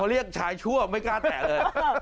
เรียกชายชั่วไม่กล้าแตะเลย